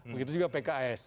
begitu juga pks